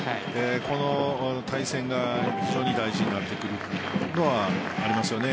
この対戦が非常に大事になってくるのはありますよね。